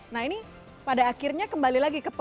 nah ini pada akhirnya kembali lagi ke